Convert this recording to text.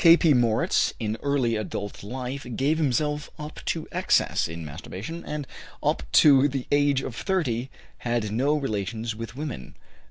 K.P. Moritz, in early adult life, gave himself up to excess in masturbation, and up to the age of thirty had no relations with women.